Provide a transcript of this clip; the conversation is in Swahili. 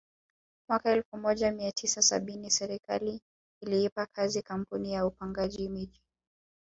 Mwaka elfu moja mia tisa sabini serikali iliipa kazi kampuni ya upangaji miji